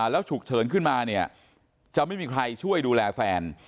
แล้วฉุกเฉินขึ้นมาเนี่ยจะไม่มีใครช่วยดูแลแฟน